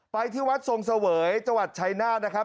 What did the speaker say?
ไปที่วัดทรงเสวยจังหวัดชัยนาธนะครับ